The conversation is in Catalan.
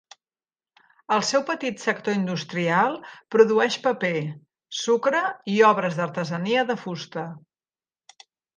El seu petit sector industrial produeix paper, sucre i obres d'artesania de fusta.